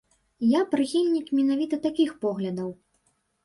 Я прыхільнік менавіта такіх поглядаў.